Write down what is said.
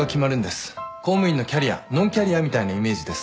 公務員のキャリアノンキャリアみたいなイメージです。